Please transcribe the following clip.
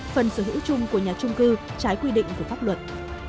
phần sở hữu chung của nhà trung cư trái quy định của pháp luật